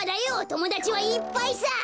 ともだちはいっぱいさ。